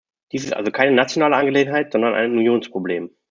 Dies ist also keine nationale Angelegenheit, sondern ein Unionsproblem.